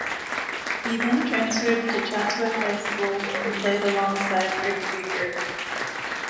He then transferred to Chatsworth High School and played alongside Rick Rieger.